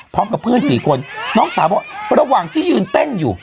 พร้อมกับเพื่อนสี่คนน้องสาวบอกระหว่างที่ยืนเต้นอยู่